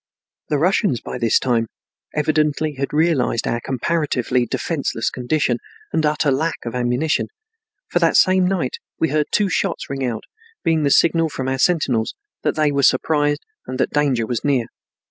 The Russians by this time evidently had realized our comparatively defenseless condition and utter lack of ammunition, for that same night we heard two shots ring out, being a signal from our sentinels that they were surprised and that danger was near.